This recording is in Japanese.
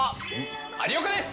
有岡です。